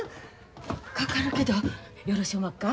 かかるけどよろしおまっか。